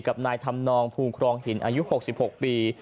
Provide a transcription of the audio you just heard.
กับนายธรรมนองภูครองหินอายุ๖๖ปี